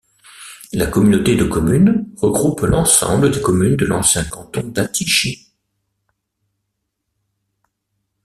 La communauté de communes regroupe l'ensemble des communes de l'ancien canton d'Attichy.